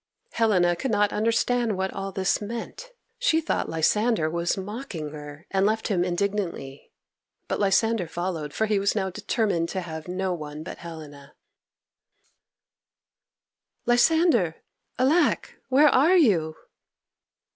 Helena could not understand what all this meant. She thought Lysander was mocking her, and left him indignantly. But Lysander followed, for he was now determined to have no one but Helena. [Illustration: "Lysander!... Alack, where are you?"